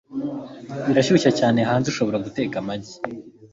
Birashyushye cyane hanze, ushobora guteka amagi.